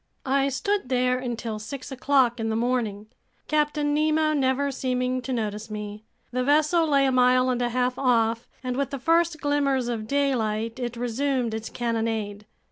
I stood there until six o'clock in the morning, Captain Nemo never seeming to notice me. The vessel lay a mile and a half off, and with the first glimmers of daylight, it resumed its cannonade.